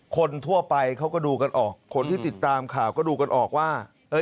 คนทั่วไปเขาก็ดูกันออกคนที่ติดตามข่าวก็ดูกันออกว่า